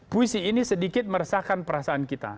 puisi ini sedikit meresahkan perasaan kita